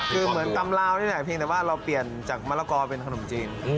เคยเหมือนตำลาวนี่หน่อยเพียงแต่ว่าก็พร้อมเปลี่ยนจากมะละกรอเป็นขนมจีน